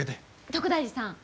徳大寺さん。